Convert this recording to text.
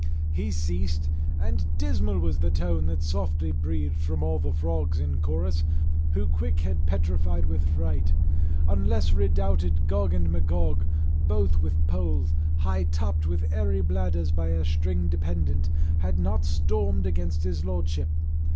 He ceased, and dismal was the tone that softly breathed from all the frogs in chorus, who quick had petrified with fright, unless redoubted Gog and Magog, both with poles, high topped with airy bladders by a string dependent, had not stormed against his lordship.